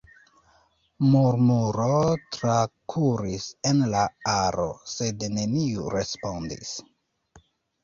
Murmuro trakuris en la aro, sed neniu respondis.